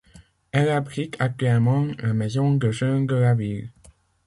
Elle abrite actuellement la maison de jeunes de la ville.